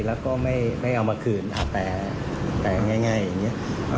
แล้วก็ไม่เอามาคืนแต่ง่ายอย่างนี้